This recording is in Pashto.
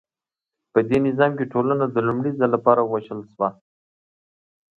په دې نظام کې ټولنه د لومړي ځل لپاره ویشل شوه.